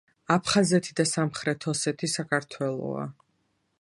აფხაზეთი და სამხრეთ ოსეთი საქართველოა!